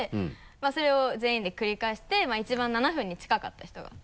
それを全員で繰り返して一番７分に近かった人が。